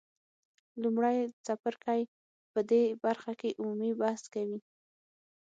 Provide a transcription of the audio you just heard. لومړی څپرکی په دې برخه کې عمومي بحث کوي.